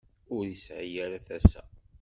Ur yesɛi ara tasa.